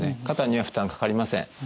肩には負担かかりません。